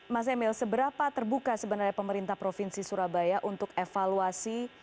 mas emil seberapa terbuka sebenarnya pemerintah provinsi surabaya untuk evaluasi